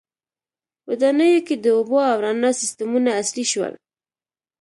• ودانیو کې د اوبو او رڼا سیستمونه عصري شول.